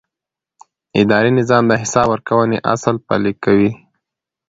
اداري نظام د حساب ورکونې اصل پلي کوي.